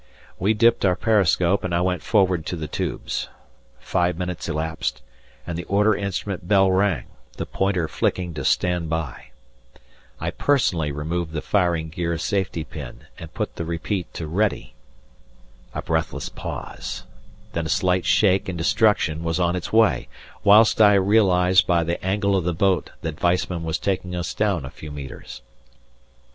We dipped our periscope and I went forward to the tubes. Five minutes elapsed and the order instrument bell rang, the pointer flicking to "Stand by." I personally removed the firing gear safety pin and put the repeat to "Ready." A breathless pause, then a slight shake and destruction was on its way, whilst I realized by the angle of the boat that Weissman was taking us down a few metres.